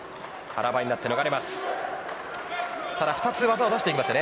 腹ばいになって逃れました。